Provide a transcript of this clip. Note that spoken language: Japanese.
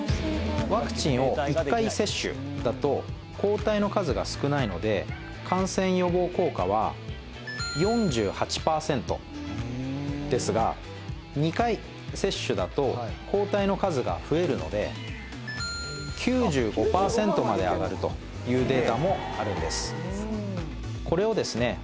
ワクチンを１回接種だと抗体の数が少ないので感染予防効果は４８％ですが２回接種だと抗体の数が増えるので９５％まで上がるというデータもあるんですこれをですね